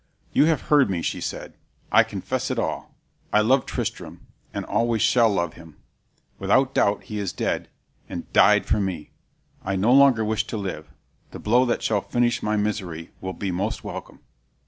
"You have heard me," she said; "I confess it all. I love Tristram, and always shall love him. Without doubt he is dead, and died for me. I no longer wish to live. The blow that shall finish my misery will be most welcome."